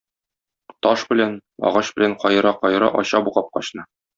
Таш белән, агач белән каера-каера ача бу капкачны.